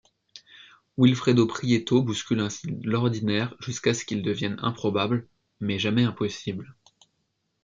Wilfredo Prieto bouscule ainsi l'ordinaire jusqu'à ce qu’il devienne improbable - mais jamais impossible.